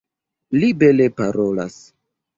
Li bele parolas.